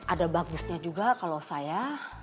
ada bagusnya juga kalau saya